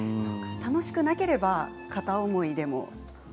楽しくなければ片思いでも。